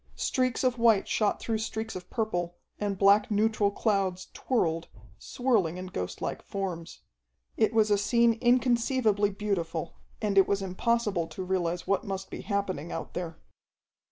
Streaks of white shot through streaks of purple and black neutral clouds twirled, swirling in ghostlike forms. It was a scene inconceivably beautiful, and it was impossible to realize what must be happening out there.